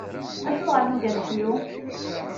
Acuɣer nugi ad neḥlu?